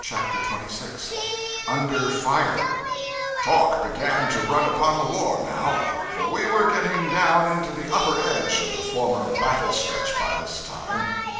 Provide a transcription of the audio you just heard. CHAPTER 26 Under Fire TALK began to run upon the war now, for we were getting down into the upper edge of the former battle stretch by this time.